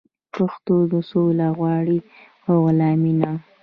پښتون سوله غواړي خو غلامي نه.